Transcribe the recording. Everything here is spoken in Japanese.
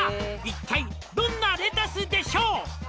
「一体どんなレタスでしょう？」